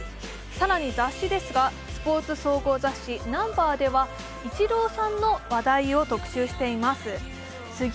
更に雑誌ですが、スポーツ総合誌「Ｎｕｍｂｅｒ」ではイチローさんの話題を特集しています。